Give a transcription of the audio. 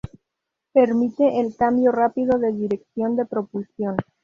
Permite el cambio rápido de dirección de propulsión.